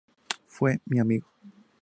Fue mi amigo.